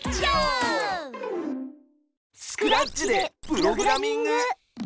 スクラッチでプログラミング！